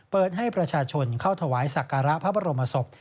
เปิดให้ประชาชนเข้าถวายสักการะพระบรมศพ